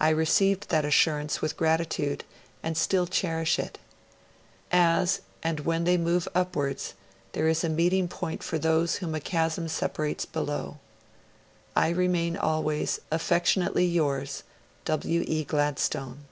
I received that assurance with gratitude, and still cherish it. As and when they move upwards, there is a meeting point for those whom a chasm separates below. I remain always, affectionately yours, 'W. E. GLADSTONE.'